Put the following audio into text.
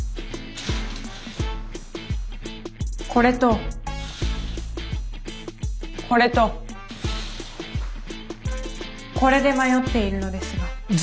これとこれとこれで迷っているのですが。